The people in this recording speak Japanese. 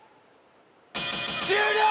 終了！